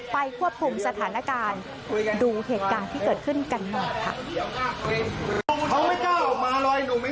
ควบคุมสถานการณ์ดูเหตุการณ์ที่เกิดขึ้นกันหน่อยค่ะ